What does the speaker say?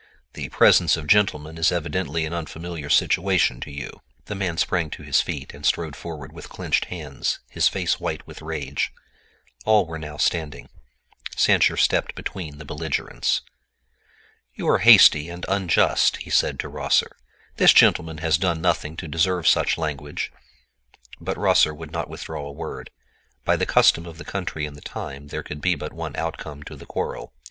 The presence of gentlemen is evidently an unfamiliar situation to you." The man sprang to his feet and strode forward with clenched hands, his face white with rage. All were now standing. Sancher stepped between the belligerents. "You are hasty and unjust," he said to Rosser; "this gentleman has done nothing to deserve such language." But Rosser would not withdraw a word. By the custom of the country and the time there could be but one outcome to the quarrel.